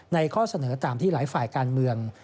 ข้อเสนอตามที่หลายฝ่ายการเมือง